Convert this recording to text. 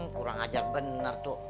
kurang ajak bener tuh